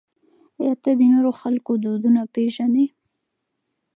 آیا ته د نورو خلکو دودونه پېژنې؟